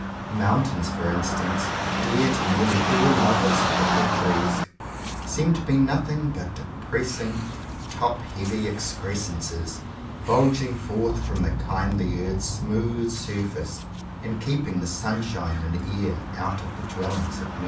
Mountains, for instance, dear to nearly all lovers of the picturesque, seem to be nothing but de pressing top heavy excrescences, bulging forth from the kindly earth's smooth sur face, and keeping the sunshine and air out of the dwellings of men.